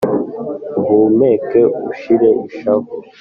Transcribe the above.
uhumeke ushire ishavu